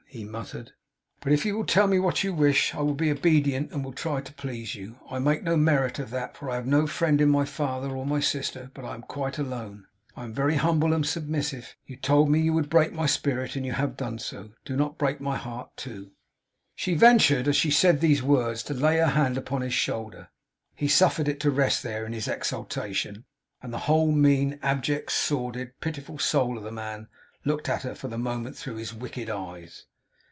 he muttered. 'But if you will tell me what you wish, I will be obedient and will try to please you. I make no merit of that, for I have no friend in my father or my sister, but am quite alone. I am very humble and submissive. You told me you would break my spirit, and you have done so. Do not break my heart too!' She ventured, as she said these words, to lay her hand upon his shoulder. He suffered it to rest there, in his exultation; and the whole mean, abject, sordid, pitiful soul of the man, looked at her, for the moment, through his wicked eyes.